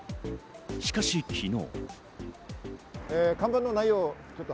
しかし、昨日。